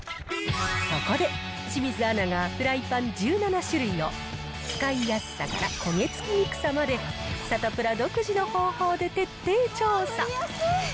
そこで、清水アナがフライパン１７種類を使いやすさから焦げ付きにくさまで、サタプラ独自の方法で徹底調査。